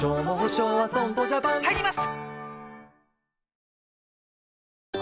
入ります！